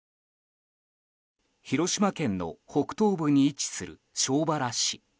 広島県の北東部に位置する庄原市。